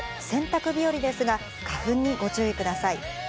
洗濯日和ですが花粉にご注意ください。